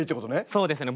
そうですね。